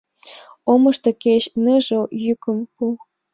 Омышто кеч ныжыл йӱкым пу.